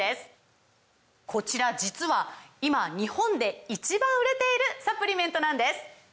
こちら実は今日本で１番売れているサプリメントなんです！